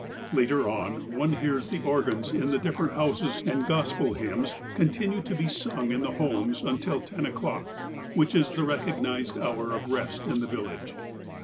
Later on, one hears the organs in the different houses and Gospel hymns continue to be sung in the homes until ten o'clock, which is the recognized hour of rest in the village.